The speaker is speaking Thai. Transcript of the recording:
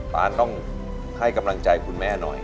ต่านให้กำลังใจคุณแม่หน่อย